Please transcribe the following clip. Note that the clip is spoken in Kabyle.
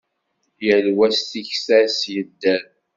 Yal wa s tikta-s yedder.